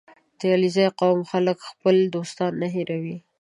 • د علیزي قوم خلک خپل دوستان نه هېروي.